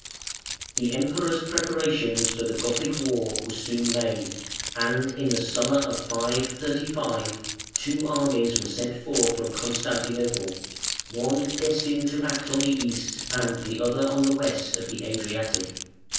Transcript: The Emperor's preparations for the Gothic war were soon made, and in the summer of 535 two armies were sent forth from Constantinople, one destined to act on the east and the other on the west of the Adriatic.